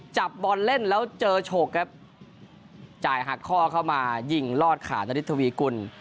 จับบอลเล่นแล้วเจอฉกครับจ่ายหักข้อเข้ามายิงลอดขานฤทธวีกุล